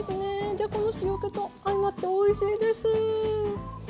じゃこの塩気と相まっておいしいです！